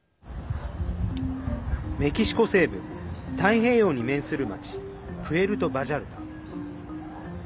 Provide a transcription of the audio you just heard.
メキシコ西部太平洋に面する町プエルト・バジャルタ。